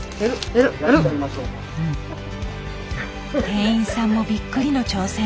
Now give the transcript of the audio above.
店員さんもびっくりの挑戦。